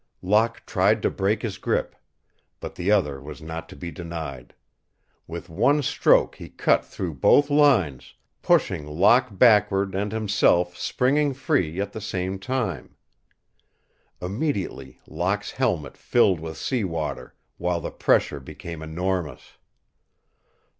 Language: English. Locke tried to break his grip. But the other was not to be denied. With one stroke he cut through both lines, pushing Locke backward and himself springing free at the same time. Immediately Locke's helmet filled with sea water, while the pressure became enormous.